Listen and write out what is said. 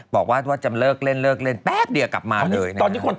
บอกว่าลงจำเลิกเล่นแป๊บเดี๋ยวกลับมาเลย